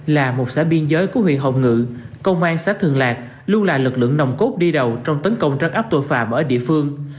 là một xã biên giới của huyện hồng ngự công an xã thường lạc luôn là lực lượng nồng cốt đi đầu trong tấn công trấn áp tội phạm ở địa phương